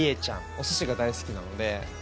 お寿司が大好きなので。